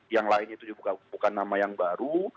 yang lainnya itu juga bukan nama yang baru